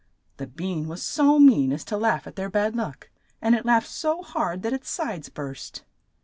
The bean was so mean as to laugh at their bad luck, and it laughed so hard that its sides burst.